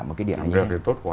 một cái điểm này